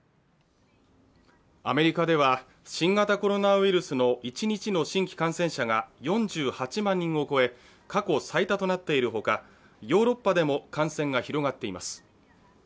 アメリカでは、新型コロナウイルスの一日の新規感染者が４８万人を超え、過去最多となっている他、ヨーロッパでも感染が広がっています。